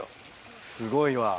すごいわ。